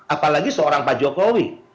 apalagi seorang pak jokowi